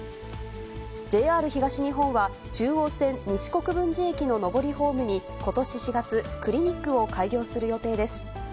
ＪＲ東日本は、中央線西国分寺駅の上りホームに、ことし４月、クリニックを開業する予定です。